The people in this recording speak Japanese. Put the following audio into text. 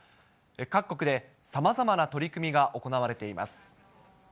各国で、さまざまな取り組みが行われています。